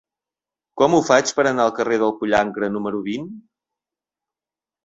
Com ho faig per anar al carrer del Pollancre número vint?